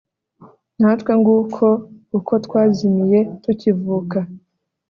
natwe nguko uko twazimiye tukivuka